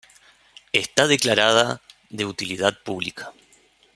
Está declarada de utilidad pública.